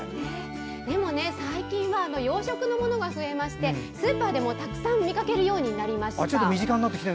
でも、最近は養殖のものが増えましてスーパーでもたくさん見かけるようになりました。